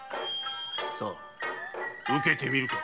さぁ受けてみるか。